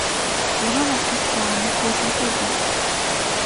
Зургаан нас хүрч байгаа нэг хөөрхөн хүү бий.